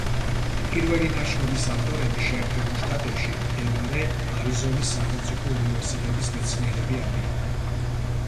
პირველი ნაშრომის ავტორები შეერთებულ შტატებში მდებარე არიზონის სახელმწიფო უნივერსიტეტის მეცნიერები არიან.